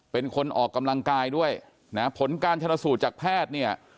เป็นคนออกกำลังกายด้วยนะผลการชนสูตรจากแพทย์เนี่ย